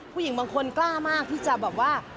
ผู้หญิงบางคนกล้ามากที่จะแบบว่า